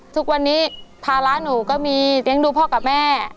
ทุกวันนี้ภาระหนูก็มีเลี้ยงดูพ่อกับแม่